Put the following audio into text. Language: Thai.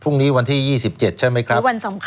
พรุ่งนี้วันที่๒๗ใช่ไหมครับหรือวันสำคัญค่ะ